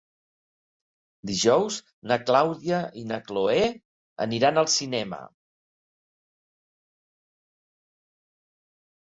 Dijous na Clàudia i na Cloè aniran al cinema.